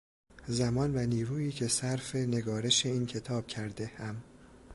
زمان و نیرویی که صرف نگارش این کتاب کردهام